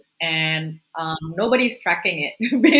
dan tidak ada yang mengikuti